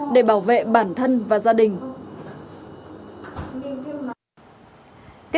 để bảo vệ bản thân và gia đình